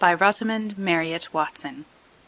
Rosamund Marriott Watson b.